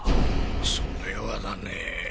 それはだね。